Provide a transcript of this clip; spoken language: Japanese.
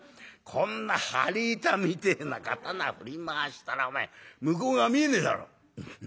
こんな張り板みてえな刀振り回したらお前向こう側見えねえだろ」。